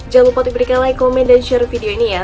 jangan lupa diberikan like komen dan share video ini ya